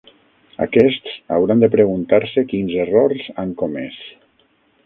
Aquests hauran de preguntar-se quins errors han comès.